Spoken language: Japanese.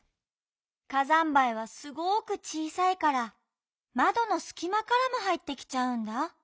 火山灰はすごくちいさいからまどのすきまからもはいってきちゃうんだ。